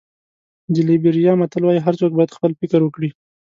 د لېبریا متل وایي هر څوک باید خپل فکر وکړي.